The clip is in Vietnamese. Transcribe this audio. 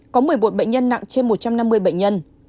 có một mươi một bệnh nhân nặng trên một trăm năm mươi bệnh nhân